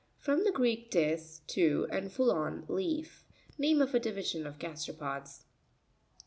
—F rom the Greek, dis, two, and phullon, leaf. Name ofa division of gasteropods (page 62).